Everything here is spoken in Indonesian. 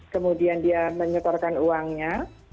kemudian dia menyetorkan uangnya